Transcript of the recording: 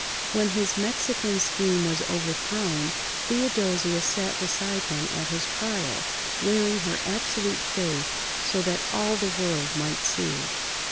When his Mexican scheme was overthrown, Theodosia sat beside him at his trial, wearing her absolute faith, so that all the world might see.